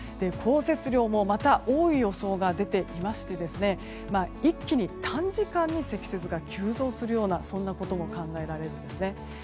降雪量もまた多い予想が出ていまして一気に短時間に積雪が急増するようなそんなことも考えられるんですね。